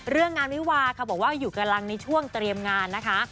เรื่องงานวิวาค่ะบอกว่าอยู่กำลังในช่วงเตรียมงานนะคะ